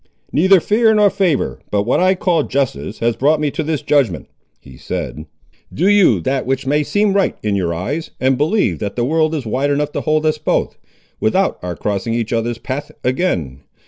"Neither fear nor favour, but what I call justice, has brought me to this judgment," he said, "do you that which may seem right in your eyes, and believe that the world is wide enough to hold us both, without our crossing each other's path again!